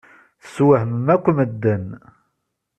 Teswehmem akk medden.